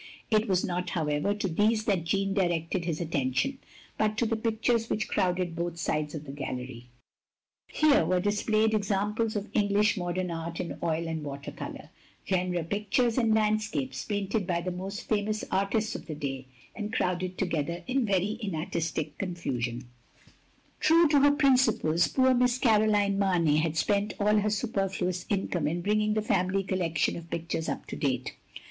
It was not, however, to these that Jeanne directed his attention, but to the pictures which crowded both sides of the gallery. Here were displayed examples of English modem art in oil and water colour; genre pic ttires and landscapes, painted by the most famous artists of the day, and crowded together in very inartistic confusion. 2o6 THE LONELY LADY True to her principles, poor Miss Caroline Mamey had spent all her superfluous income in bringing the family collection of pictures up to date.